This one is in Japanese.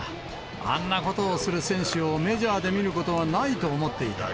あんなことをする選手をメジャーで見ることはないと思っていた。